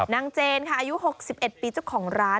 เจนค่ะอายุ๖๑ปีเจ้าของร้าน